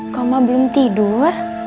kok emak belum tidur